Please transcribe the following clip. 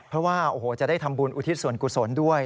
เพราะว่าจะได้ทำบุญอุทิศวรกุศลด้วย